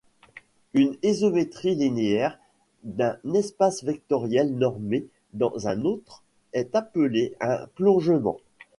Une isométrie linéaire d'un espace vectoriel normé dans un autre est appelée un plongement.